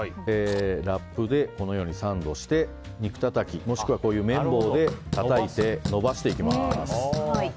ラップでこのようにサンドして肉たたきもしくは麺棒でたたいて延ばしていきます。